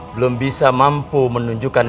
belum bisa mampu menunjukkan